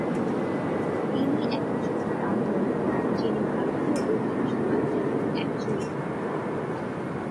তিনি একজ ব্রাহ্মণ যিনি ভারতীয় ঐতিহ্যবাহী এক চরিত্র।